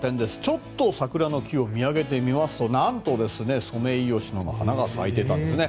ちょっと桜の木を見上げてみますとなんと、ソメイヨシノの花が咲いていたんですね。